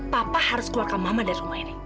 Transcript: papa harus keluarkan mama dari rumah ini